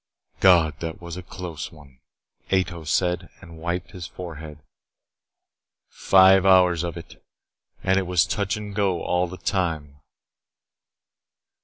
"God, that was a close one," Ato said, and wiped his forehead. "Five hours of it. And it was touch and go all the time."